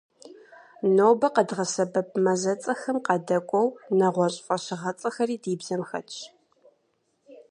Нобэ къэдгъэсэбэп мазэцӀэхэм къадэкӏуэу, нэгъуэщӀ фӀэщыгъэцӀэхэри ди бзэм хэтщ.